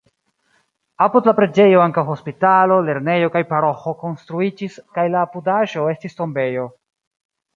Apud la preĝejo ankaŭ hospitalo, lernejo kaj paroĥo konstruiĝis kaj la apudaĵo estis tombejo.